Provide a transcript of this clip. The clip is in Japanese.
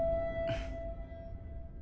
フッ。